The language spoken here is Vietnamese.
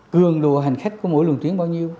cường lộ hành khách của mỗi lường tuyến bao nhiêu